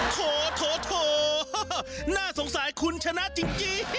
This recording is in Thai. โถน่าสงสัยคุณชนะจริง